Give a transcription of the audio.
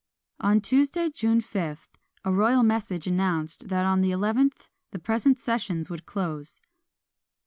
On Tuesday, June 5, a royal message announced that on the 11th the present sessions would close.